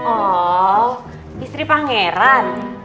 oh istri pangeran